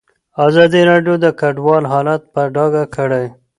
ازادي راډیو د کډوال حالت په ډاګه کړی.